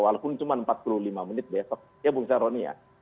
walaupun cuma empat puluh lima menit besok ya bung saroni ya